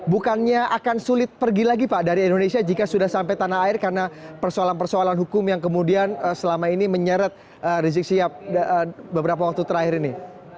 bukannya akan sulit pergi lagi pak dari indonesia jika sudah sampai tanah air karena persoalan persoalan hukum yang kemudian selama ini menyeret rizik sihab beberapa waktu terakhir ini